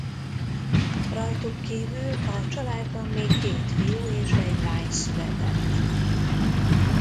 Rajtuk kívül a családban még két fiú és egy lány született.